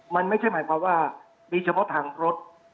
มันไม่ใช่หมายความว่ามีเฉพาะทางรถ